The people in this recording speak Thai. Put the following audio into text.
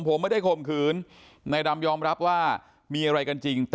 ผมไม่ได้ข่มขืนนายดำยอมรับว่ามีอะไรกันจริง